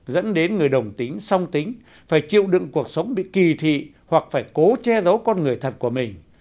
dẫn đến người đồng tính song tính phải chịu đựng cuộc sống bị kỳ thị hoặc phải cố che giấu con người thật của mình